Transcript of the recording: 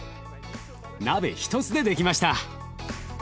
鍋一つでできました！